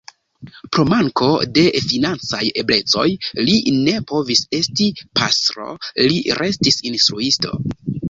Pro manko de financaj eblecoj li ne povis esti pastro, li restis instruisto.